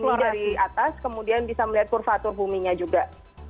tapi dari atas kemudian bisa melihat kurvatur buminya juga